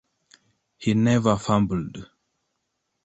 He never fumbled.